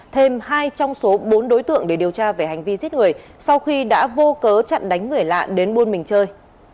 thêm hai trong số bốn đối tượng để điều tra về hành vi giết người sau khi đã vô cớ chặn đánh người lạ đến buôn mình chơi